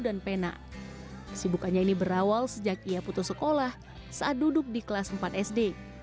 pena kesibukannya ini berawal sejak ia putus sekolah saat duduk di kelas empat sd